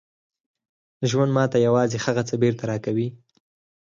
ژوند ماته یوازې هغه څه بېرته راکوي